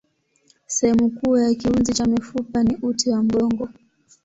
Sehemu kuu ya kiunzi cha mifupa ni uti wa mgongo.